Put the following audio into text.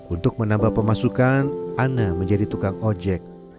untuk menambah pemasukan ana menjadi tukang oj heavy goods